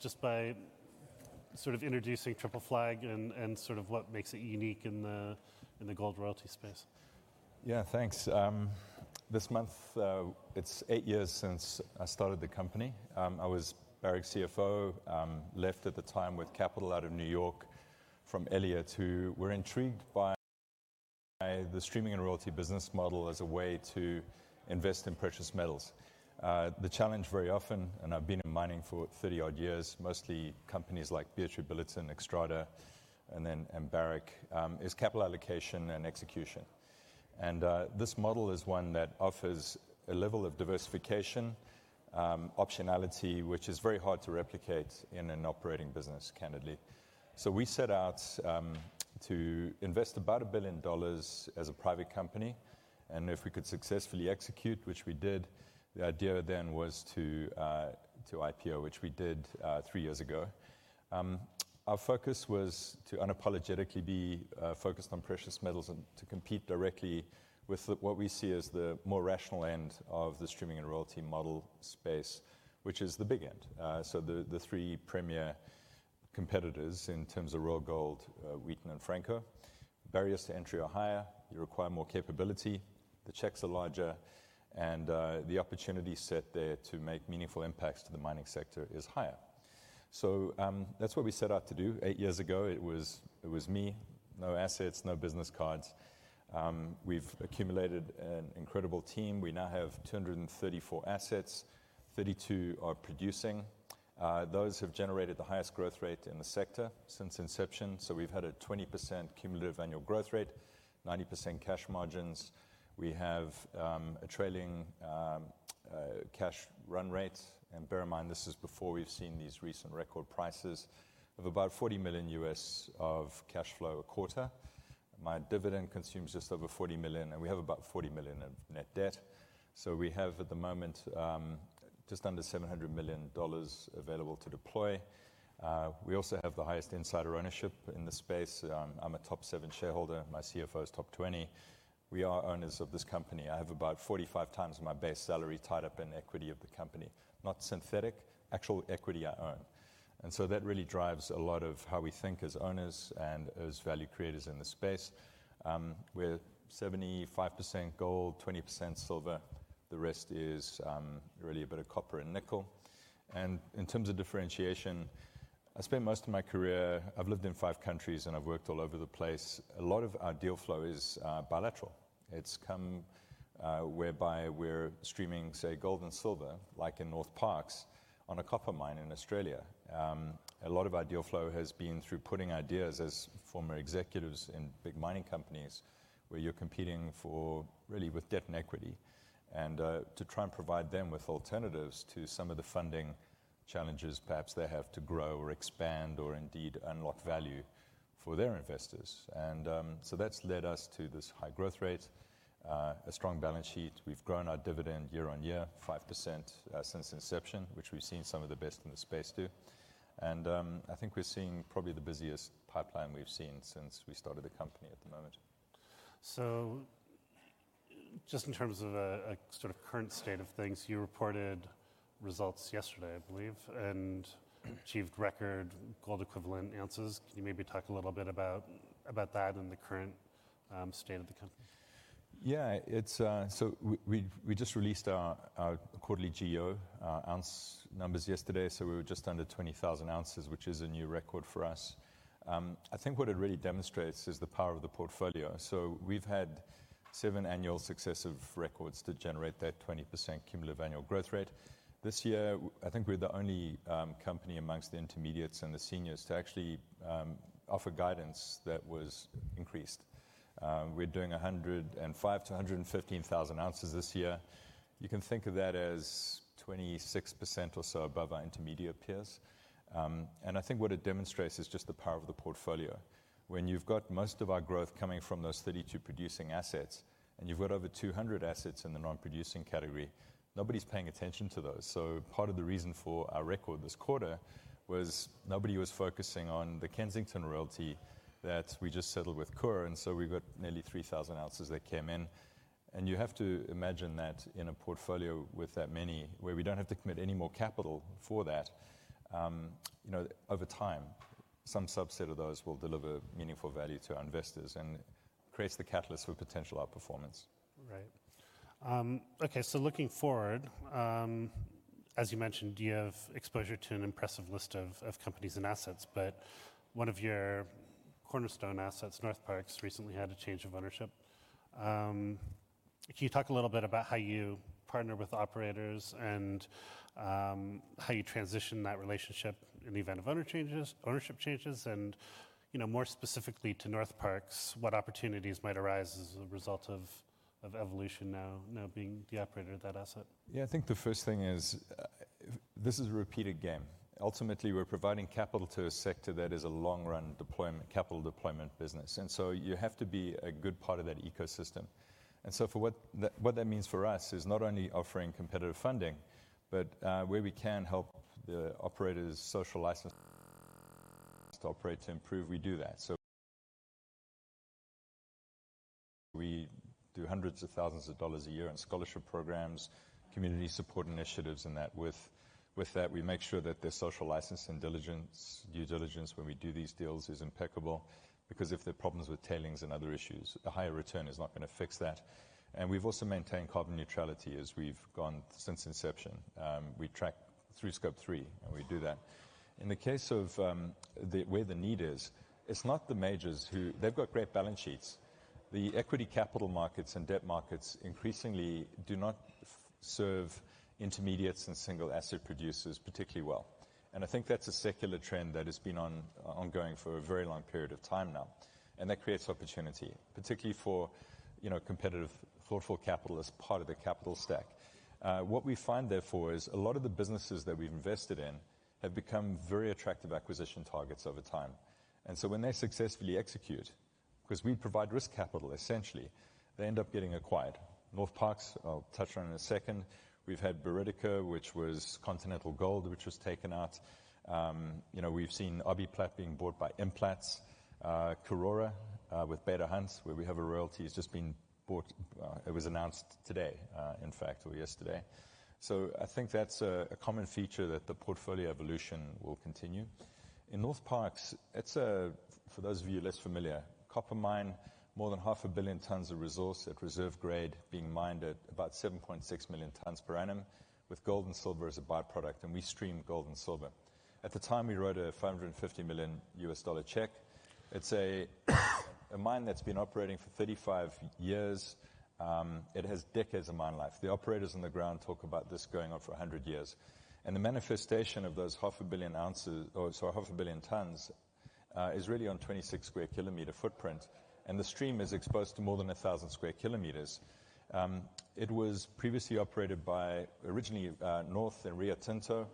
Just by sort of introducing Triple Flag and sort of what makes it unique in the gold royalty space? Yeah, thanks. This month it's eight years since I started the company. I was Barrick's CFO, left at the time with capital out of New York from Elliott, who were intrigued by the streaming and royalty business model as a way to invest in precious metals. The challenge very often, and I've been in mining for 30-odd years, mostly companies like BHP Billiton, Xstrata, and then Barrick, is capital allocation and execution. And this model is one that offers a level of diversification, optionality, which is very hard to replicate in an operating business, candidly. So we set out to invest about $1 billion as a private company, and if we could successfully execute, which we did, the idea then was to IPO, which we did three years ago. Our focus was to unapologetically be focused on precious metals and to compete directly with what we see as the more rational end of the streaming and royalty model space, which is the big end. So the three premier competitors: Royal Gold, Wheaton, and Franco-Nevada. Barriers to entry are higher. You require more capability. The checks are larger. And the opportunity set there to make meaningful impacts to the mining sector is higher. So that's what we set out to do eight years ago. It was me. No assets. No business cards. We've accumulated an incredible team. We now have 234 assets. 32 are producing. Those have generated the highest growth rate in the sector since inception. So we've had a 20% cumulative annual growth rate, 90% cash margins. We have a trailing cash run rate, and bear in mind, this is before we've seen these recent record prices, of about $40 million of cash flow a quarter. My dividend consumes just over $40 million, and we have about $40 million of net debt. So we have at the moment just under $700 million available to deploy. We also have the highest insider ownership in the space. I'm a top seven shareholder. My CFO is top 20. We are owners of this company. I have about 45 times my base salary tied up in equity of the company. Not synthetic. Actual equity I own. And so that really drives a lot of how we think as owners and as value creators in the space. We're 75% gold, 20% silver. The rest is really a bit of copper and nickel. In terms of differentiation, I spent most of my career (I've lived in five countries, and I've worked all over the place) a lot of our deal flow is bilateral. It's come whereby we're streaming, say, gold and silver, like in Northparkes, on a copper mine in Australia. A lot of our deal flow has been through putting ideas as former executives in big mining companies where you're competing for really with debt and equity and to try and provide them with alternatives to some of the funding challenges perhaps they have to grow or expand or indeed unlock value for their investors. And so that's led us to this high growth rate, a strong balance sheet. We've grown our dividend year on year, 5% since inception, which we've seen some of the best in the space do. I think we're seeing probably the busiest pipeline we've seen since we started the company at the moment. So just in terms of a sort of current state of things, you reported results yesterday, I believe, and achieved record gold equivalent ounces. Can you maybe talk a little bit about that and the current state of the company? Yeah. So we just released our quarterly GEO ounce numbers yesterday. So we were just under 20,000 ounces, which is a new record for us. I think what it really demonstrates is the power of the portfolio. So we've had seven annual successive records to generate that 20% cumulative annual growth rate. This year, I think we're the only company amongst the intermediates and the seniors to actually offer guidance that was increased. We're doing 105,000-115,000 ounces this year. You can think of that as 26% or so above our intermediate peers. And I think what it demonstrates is just the power of the portfolio. When you've got most of our growth coming from those 32 producing assets and you've got over 200 assets in the non-producing category, nobody's paying attention to those. Part of the reason for our record this quarter was nobody was focusing on the Kensington royalty that we just settled with Coeur. So we got nearly 3,000 ounces that came in. You have to imagine that in a portfolio with that many where we don't have to commit any more capital for that, over time, some subset of those will deliver meaningful value to our investors and create the catalyst for potential outperformance. Right. Okay. So looking forward, as you mentioned, you have exposure to an impressive list of companies and assets. But one of your cornerstone assets, Northparkes, recently had a change of ownership. Can you talk a little bit about how you partner with operators and how you transition that relationship in the event of ownership changes? And more specifically to Northparkes, what opportunities might arise as a result of Evolution now being the operator of that asset? Yeah. I think the first thing is this is a repeated game. Ultimately, we're providing capital to a sector that is a long-run capital deployment business. And so you have to be a good part of that ecosystem. And so what that means for us is not only offering competitive funding, but where we can help the operators, social license to operate, to improve, we do that. So we do hundreds of thousands of dollars a year in scholarship programs, community support initiatives, and that. With that, we make sure that their social license and due diligence when we do these deals is impeccable because if there are problems with tailings and other issues, a higher return is not going to fix that. And we've also maintained carbon neutrality as we've gone since inception. We track through Scope 3, and we do that. In the case of where the need is, it's not the majors who they've got great balance sheets. The equity capital markets and debt markets increasingly do not serve intermediates and single asset producers particularly well. I think that's a secular trend that has been ongoing for a very long period of time now. That creates opportunity, particularly for competitive, thoughtful capital as part of the capital stack. What we find, therefore, is a lot of the businesses that we've invested in have become very attractive acquisition targets over time. And so when they successfully execute because we provide risk capital, essentially, they end up getting acquired. Northparkes, I'll touch on in a second. We've had Continental, which was Continental Gold, which was taken out. We've seen Anglo American Platinum being bought by Implats. Karora with Beta Hunt, where we have a royalty, has just been bought. It was announced today, in fact, or yesterday. So I think that's a common feature that the portfolio evolution will continue. In Northparkes, for those of you less familiar, copper mine, more than 500 million tons of resource at reserve grade being mined at about 7.6 million tons per annum with gold and silver as a byproduct. And we stream gold and silver. At the time, we wrote a $550 million check. It's a mine that's been operating for 35 years. It has decades of mine life. The operators on the ground talk about this going on for 100 years. And the manifestation of those half a billion ounces or sorry, 500 million tons is really on 26 square kilometer footprint. And the stream is exposed to more than 1,000 square kilometers. It was previously operated by originally North and Rio Tinto,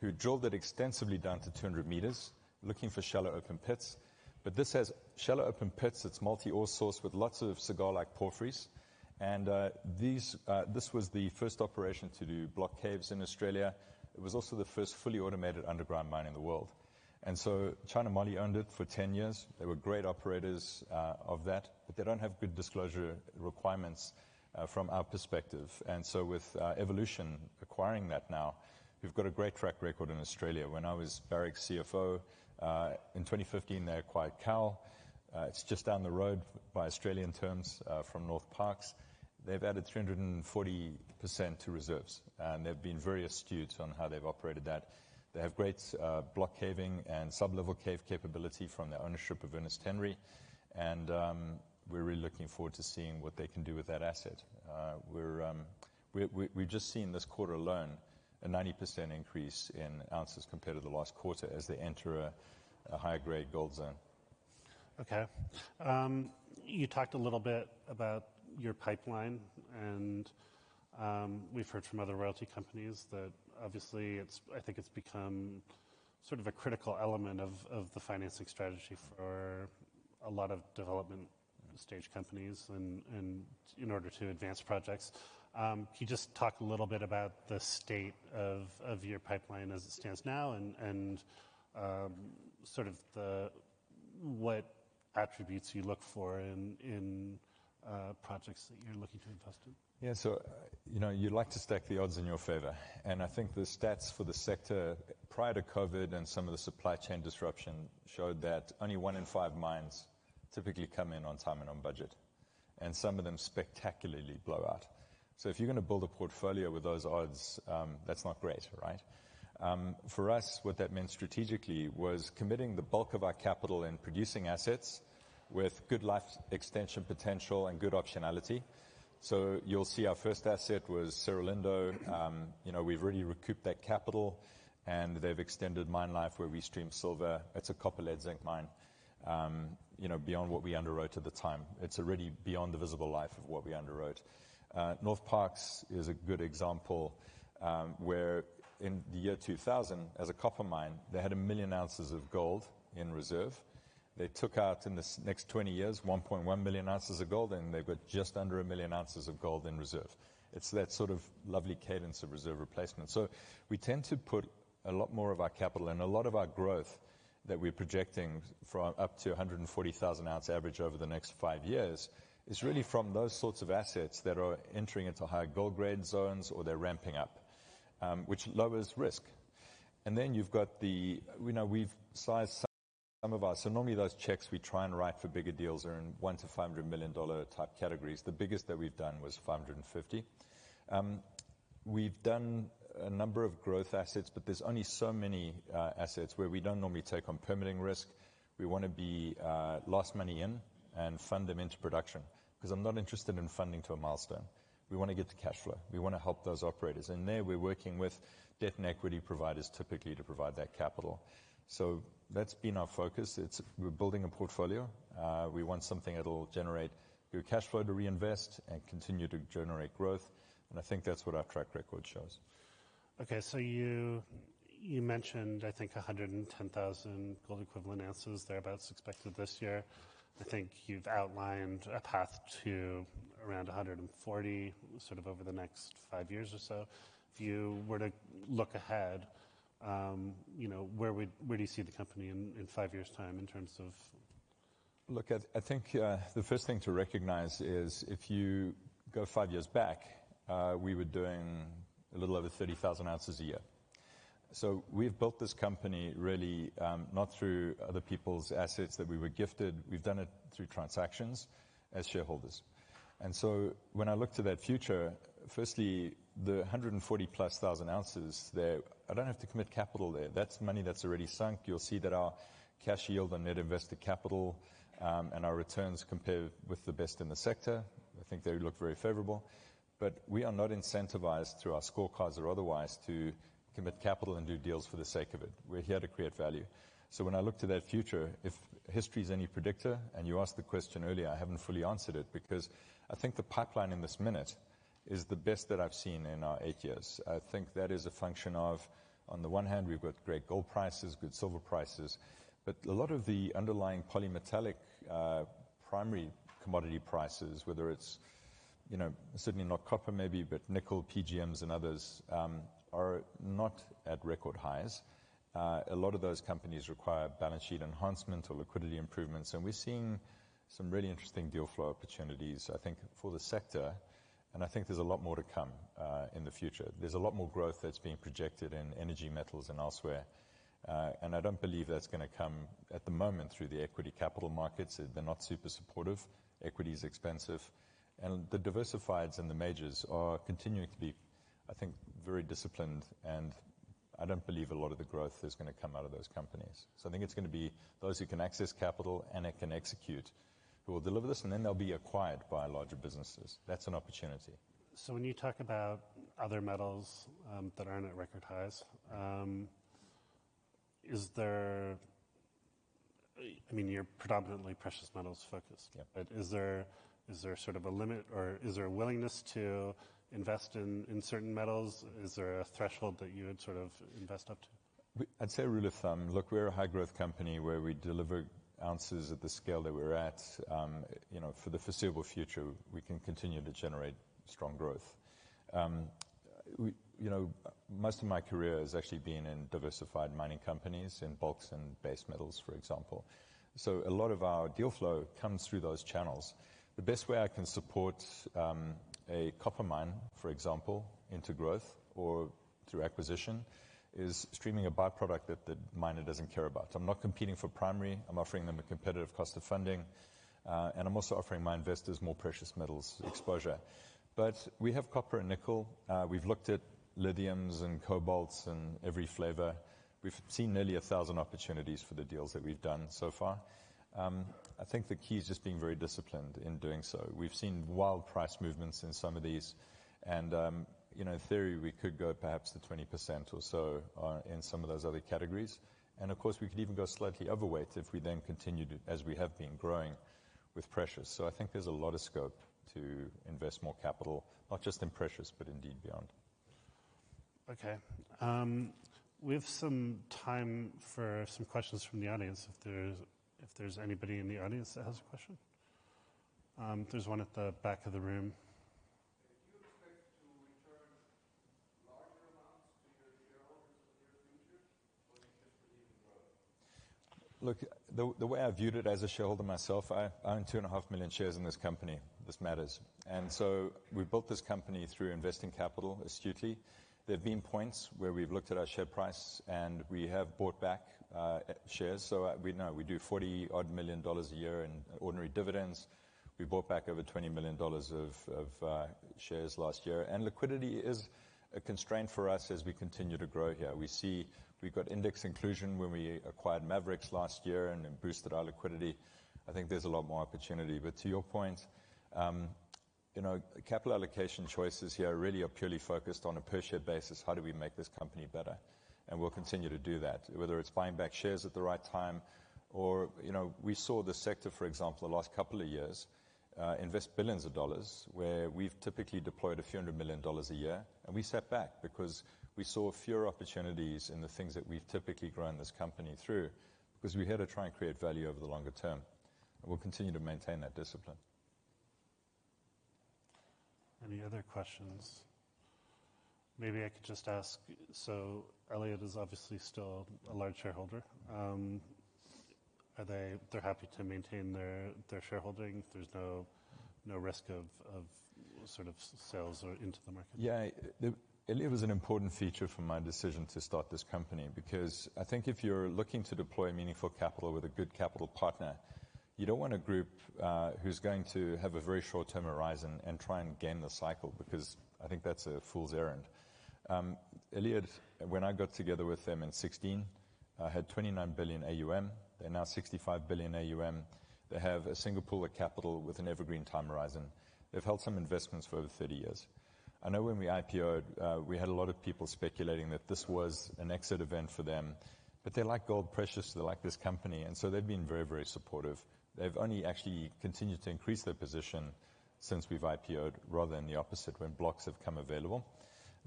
who drilled it extensively down to 200 meters looking for shallow open pits. But this has shallow open pits. It's multi-ore source with lots of cigar-like porphyries. This was the first operation to do block caving in Australia. It was also the first fully automated underground mine in the world. China Moly owned it for 10 years. They were great operators of that. But they don't have good disclosure requirements from our perspective. With Evolution acquiring that now, we've got a great track record in Australia. When I was Barrick's CFO in 2015, they acquired Cowal. It's just down the road by Australian terms from Northparkes. They've added 340% to reserves. They've been very astute on how they've operated that. They have great block caving and sublevel caving capability from their ownership of Ernest Henry. We're really looking forward to seeing what they can do with that asset. We've just seen this quarter alone a 90% increase in ounces compared to the last quarter as they enter a higher grade gold zone. Okay. You talked a little bit about your pipeline. And we've heard from other royalty companies that obviously, I think it's become sort of a critical element of the financing strategy for a lot of development stage companies in order to advance projects. Can you just talk a little bit about the state of your pipeline as it stands now and sort of what attributes you look for in projects that you're looking to invest in? Yeah. So you'd like to stack the odds in your favor. And I think the stats for the sector prior to COVID and some of the supply chain disruption showed that only one in five mines typically come in on time and on budget. And some of them spectacularly blow out. So if you're going to build a portfolio with those odds, that's not great, right? For us, what that meant strategically was committing the bulk of our capital in producing assets with good life extension potential and good optionality. So you'll see our first asset was Cerro Lindo. We've already recouped that capital. And they've extended mine life where we stream silver. It's a copper lead zinc mine beyond what we underwrote at the time. It's already beyond the visible life of what we underwrote. Northparkes is a good example where in the year 2000, as a copper mine, they had 1 million ounces of gold in reserve. They took out in the next 20 years 1.1 million ounces of gold, and they've got just under 1 million ounces of gold in reserve. It's that sort of lovely cadence of reserve replacement. So we tend to put a lot more of our capital. And a lot of our growth that we're projecting up to 140,000 ounce average over the next five years is really from those sorts of assets that are entering into higher gold grade zones or they're ramping up, which lowers risk. And then you've got the we've sized some of our so normally, those checks we try and write for bigger deals are in $1-$500 million type categories. The biggest that we've done was $550 million. We've done a number of growth assets, but there's only so many assets where we don't normally take on permitting risk. We want to be the last money in and fund them into production because I'm not interested in funding to a milestone. We want to get to cash flow. We want to help those operators. There, we're working with debt and equity providers typically to provide that capital. That's been our focus. We're building a portfolio. We want something that'll generate good cash flow to reinvest and continue to generate growth. I think that's what our track record shows. Okay. So you mentioned, I think, 110,000 gold equivalent ounces. They're about expected this year. I think you've outlined a path to around 140 sort of over the next five years or so. If you were to look ahead, where do you see the company in five years' time in terms of? Look, I think the first thing to recognize is if you go five years back, we were doing a little over 30,000 ounces a year. So we've built this company really not through other people's assets that we were gifted. We've done it through transactions as shareholders. And so when I look to that future, firstly, the 140+ thousand ounces there, I don't have to commit capital there. That's money that's already sunk. You'll see that our cash yield on net invested capital and our returns compare with the best in the sector. I think they look very favorable. But we are not incentivized through our scorecards or otherwise to commit capital and do deals for the sake of it. We're here to create value. So when I look to that future, if history is any predictor and you asked the question earlier, I haven't fully answered it because I think the pipeline in this minute is the best that I've seen in our eight years. I think that is a function of, on the one hand, we've got great gold prices, good silver prices. But a lot of the underlying polymetallic primary commodity prices, whether it's certainly not copper maybe, but nickel, PGMs, and others, are not at record highs. A lot of those companies require balance sheet enhancement or liquidity improvements. And we're seeing some really interesting deal flow opportunities, I think, for the sector. And I think there's a lot more to come in the future. There's a lot more growth that's being projected in energy metals and elsewhere. I don't believe that's going to come at the moment through the equity capital markets. They're not super supportive. Equity is expensive. The diversifieds and the majors are continuing to be, I think, very disciplined. I don't believe a lot of the growth is going to come out of those companies. I think it's going to be those who can access capital and it can execute who will deliver this. They'll be acquired by larger businesses. That's an opportunity. So when you talk about other metals that aren't at record highs, is there, I mean, you're predominantly precious metals focused. But is there sort of a limit or is there a willingness to invest in certain metals? Is there a threshold that you would sort of invest up to? I'd say a rule of thumb. Look, we're a high-growth company where we deliver ounces at the scale that we're at. For the foreseeable future, we can continue to generate strong growth. Most of my career has actually been in diversified mining companies, in bulks and base metals, for example. So a lot of our deal flow comes through those channels. The best way I can support a copper mine, for example, into growth or through acquisition is streaming a byproduct that the miner doesn't care about. I'm not competing for primary. I'm offering them a competitive cost of funding. And I'm also offering my investors more precious metals exposure. But we have copper and nickel. We've looked at lithiums and cobalts and every flavor. We've seen nearly 1,000 opportunities for the deals that we've done so far. I think the key is just being very disciplined in doing so. We've seen wild price movements in some of these. In theory, we could go perhaps the 20% or so in some of those other categories. Of course, we could even go slightly overweight if we then continued as we have been growing with precious. I think there's a lot of scope to invest more capital, not just in precious, but indeed beyond. Okay. We have some time for some questions from the audience if there's anybody in the audience that has a question. There's one at the back of the room. Do you expect to return larger amounts to your shareholders in the near future or do you just believe in growth? Look, the way I viewed it as a shareholder myself, I own 2.5 million shares in this company. This matters. And so we built this company through investing capital astutely. There have been points where we've looked at our share price, and we have bought back shares. So we do $40-odd million a year in ordinary dividends. We bought back over $20 million of shares last year. And liquidity is a constraint for us as we continue to grow here. We've got index inclusion when we acquired Maverix last year and boosted our liquidity. I think there's a lot more opportunity. But to your point, capital allocation choices here really are purely focused on a per-share basis. How do we make this company better? We'll continue to do that, whether it's buying back shares at the right time or we saw the sector, for example, the last couple of years invest $ billions where we've typically deployed $ a few hundred million a year. We sat back because we saw fewer opportunities in the things that we've typically grown this company through because we had to try and create value over the longer term. We'll continue to maintain that discipline. Any other questions? Maybe I could just ask so Elliott is obviously still a large shareholder. They're happy to maintain their shareholding. There's no risk of sort of sales or into the market. Yeah. Elliott was an important feature for my decision to start this company because I think if you're looking to deploy meaningful capital with a good capital partner, you don't want a group who's going to have a very short-term horizon and try and gain the cycle because I think that's a fool's errand. Elliott, when I got together with them in 2016, had $29 billion AUM. They're now $65 billion AUM. They have a single pool of capital with an evergreen time horizon. They've held some investments for over 30 years. I know when we IPOed, we had a lot of people speculating that this was an exit event for them. But they like gold precious. They like this company. And so they've been very, very supportive. They've only actually continued to increase their position since we've IPOed rather than the opposite when blocks have come available.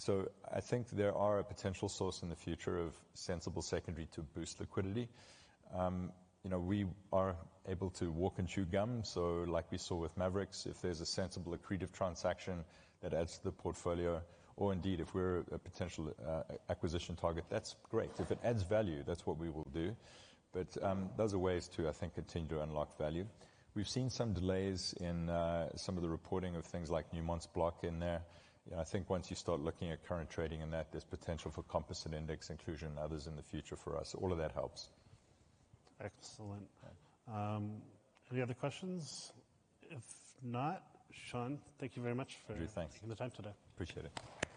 So I think there are a potential source in the future of sensible secondary to boost liquidity. We are able to walk and chew gum. So like we saw with Maverix, if there's a sensible accretive transaction that adds to the portfolio or indeed if we're a potential acquisition target, that's great. If it adds value, that's what we will do. But those are ways to, I think, continue to unlock value. We've seen some delays in some of the reporting of things like Newmont's block trade. And I think once you start looking at current trading in that, there's potential for composite index inclusion and others in the future for us. All of that helps. Excellent. Any other questions? If not, Shaun, thank you very much for taking the time today. You do, thanks. Appreciate it.